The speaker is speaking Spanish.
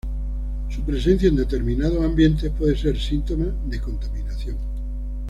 Su presencia en determinados ambientes puede ser síntoma de contaminación.